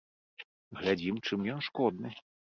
Глядзім, чым ён шкодны.